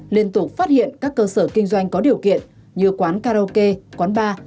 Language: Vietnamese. liên tục phát hiện các cơ sở kinh doanh có điều kiện như quán karaoke quán bar